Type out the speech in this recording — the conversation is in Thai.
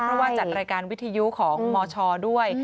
เพราะว่าจัดรายการวิทยุของมชด้วย